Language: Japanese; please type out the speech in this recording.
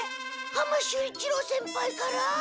浜守一郎先輩から？